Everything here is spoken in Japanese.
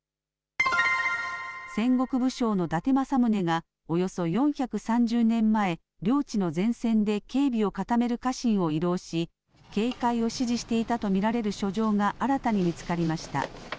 戦国武将の伊達政宗がおよそ４３０年前、領地の前線で警備を固める家臣を慰労し警戒を指示していたと見られる書状が新たに見つかりました。